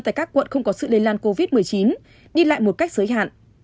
tại các quận không có sự lây lan covid một mươi chín đi lại một cách giới hạn